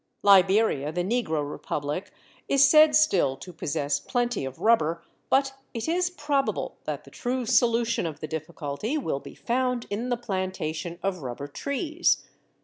Liberia, the Negro Republic, is said still to possess plenty of rubber; but it is probable that the true solution of the difficulty will be found in the plantation of rubber trees.